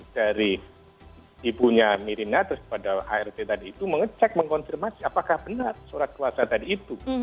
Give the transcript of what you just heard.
dari ibunya mirinatus pada art tadi itu mengecek mengkonservasi apakah benar surat kuasa tadi itu